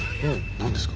何ですか？